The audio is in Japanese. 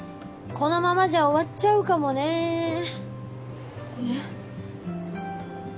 このままじゃ終わっちゃうかもねーえっ？